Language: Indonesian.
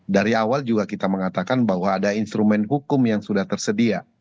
dari awal juga kita mengatakan bahwa ada instrumen hukum yang sudah tersedia